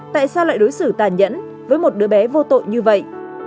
tại sao lại đối xử tàn nhẫn với một đứa bé vô tội như vậy